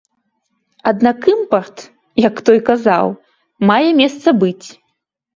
Аднак імпарт, як той казаў, мае месца быць.